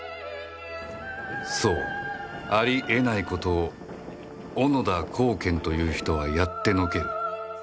そうあり得ないことを小野田公顕という人はやってのける